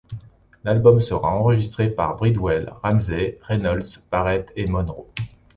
L'album sera enregistré par Bridwell, Ramsey, Reynolds, Barrett, et Monroe.